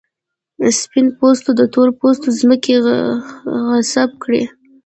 سپین پوستو د تور پوستو ځمکې غصب کړې.